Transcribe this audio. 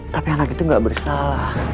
tapi anak itu gak bersalah